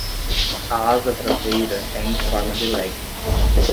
A asa traseira é em forma de leque.